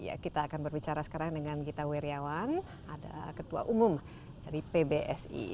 ya kita akan berbicara sekarang dengan gita wirjawan ada ketua umum dari pbsi